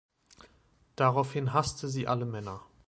Daraufhin hasste sie alle Männer.